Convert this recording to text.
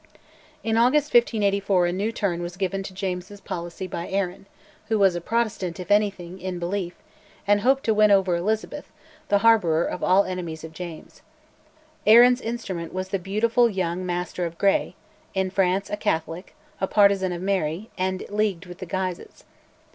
In August 1584 a new turn was given to James's policy by Arran, who was Protestant, if anything, in belief, and hoped to win over Elizabeth, the harbourer of all enemies of James. Arran's instrument was the beautiful young Master of Gray, in France a Catholic, a partisan of Mary, and leagued with the Guises.